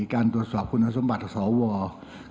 การตรวจสอบคุณสมบัติของนายกรัฐมนตรี